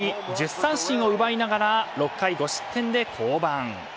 大谷１０三振を奪いながら６回５失点で降板。